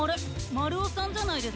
まるおさんじゃないですか？